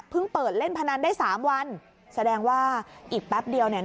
เปิดเล่นพนันได้สามวันแสดงว่าอีกแป๊บเดียวเนี่ย